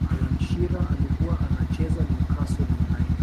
allan shearer alikuwa anacheza new castle united